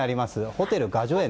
ホテル雅叙園